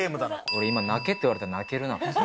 俺今、泣けって言われたら泣けるな。